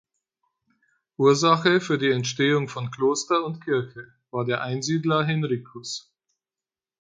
Ursache für die Entstehung von Kloster und Kirche war der Einsiedler Henricus.